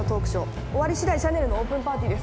終わりしだいシャネルのオープンパーティーです。